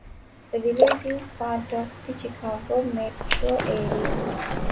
The village is part of the Chicago metro area.